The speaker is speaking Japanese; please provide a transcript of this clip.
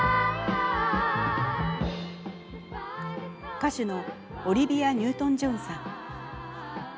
歌手のオリビア・ニュートン＝ジョンさん。